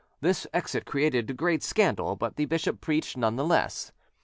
This exit created great scandal; but the bishop preached none the less.